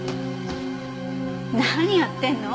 何やってんの？